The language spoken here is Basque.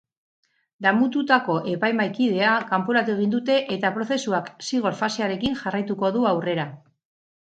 Damututako epaimahaikidea kanporatu egin dute eta prozesuak zigor fasearekin jarraituko du aurrera.